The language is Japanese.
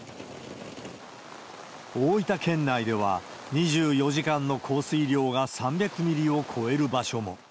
大分県内では、２４時間の降水量が３００ミリを超える場所も。